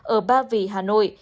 ở ba vì hà nội